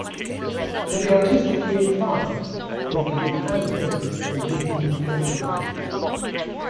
For the artistically inclined, they can be handmade or written in calligraphy.